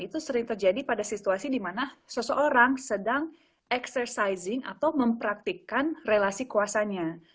itu sering terjadi pada situasi dimana seseorang sedang exercising atau mempraktikkan relasi kuasanya